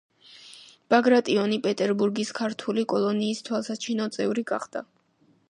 ბაგრატიონი პეტერბურგის ქართული კოლონიის თვალსაჩინო წევრი გახდა.